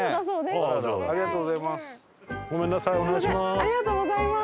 ありがとうございます。